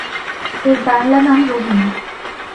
এর বাংলা নাম রোহিণী।